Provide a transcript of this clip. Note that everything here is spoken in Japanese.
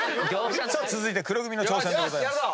続いて黒組の挑戦でございます。